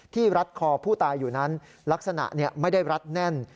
รัดคอผู้ตายอยู่นั้นลักษณะไม่ได้รัดแน่น